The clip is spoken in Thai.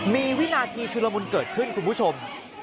มีวินาทีชุลมุนเกิดขึ้นคุณผู้ชม